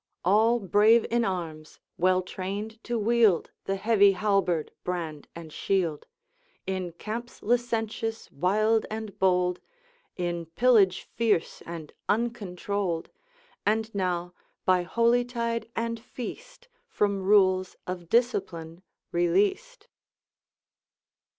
All brave in arms, well trained to wield The heavy halberd, brand, and shield; In camps licentious, wild, and bold; In pillage fierce and uncontrolled; And now, by holytide and feast, From rules of discipline released.